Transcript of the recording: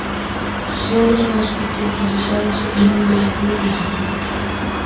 Son los más potentes usados en un vehículo de su tipo.